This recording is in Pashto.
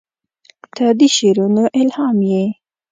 • ته د شعرونو الهام یې.